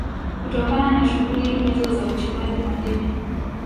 Kutokana na shughuli hizo za uchimbaji madini